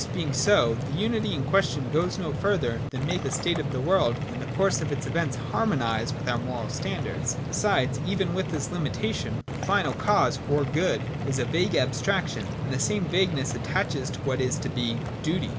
115 being so, the unity in question goes no further than make the state of the world and the course of its events harmonise with our moral standards \ Besides, even with this limitation, the final cause, or Good, is a vague abstraction, and the same vagueness attaches to what is to be Duty.